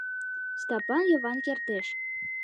Стапан Йыван кертеш!